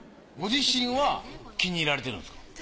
ご自身は気に入られてるんすか？